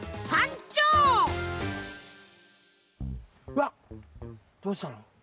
うわっどうしたの？